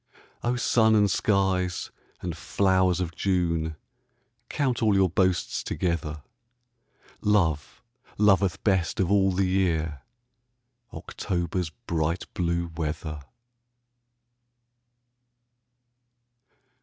O sun and skies and flowers of June, Count all your boasts together, Love loveth best of all the year October's bright blue weather.